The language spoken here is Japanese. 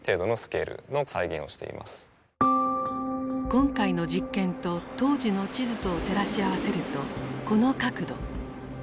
今回の実験と当時の地図とを照らし合わせるとこの角度。